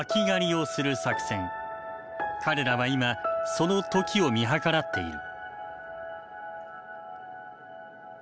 彼らは今その時を見計らっている。